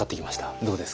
どうですか？